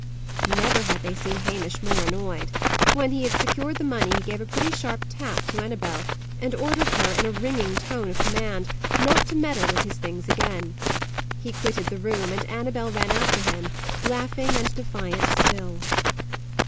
Never had they seen Hamish more annoyed. When he had secured the money, he gave a pretty sharp tap to Annabel, and ordered her, in a ringing tone of command, not to meddle with his things again. He quitted the room, and Annabel ran after him, laughing and defiant still.